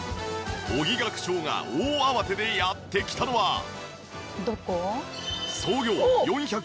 尾木学長が大慌てでやって来たのは。